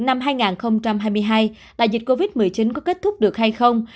năm hai nghìn hai mươi hai đại dịch covid một mươi chín có kết thúc được hay không